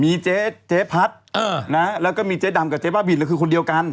มีเจ๊พัดแล้วก็มีเจ๊ดำกับเจ๊บ้าบินแล้วคือคนเดียวกัน